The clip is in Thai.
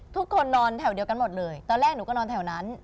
ทุกคนนอนแถวเดียวกันหมดเลยตอนแรกหนูก็นอนแถวนั้น